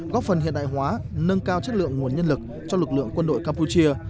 góp phần hiện đại hóa nâng cao chất lượng nguồn nhân lực cho lực lượng quân đội campuchia